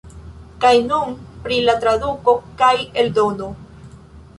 Kaj nun pri la traduko kaj eldono.